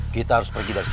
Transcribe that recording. kita harus pergi dari sini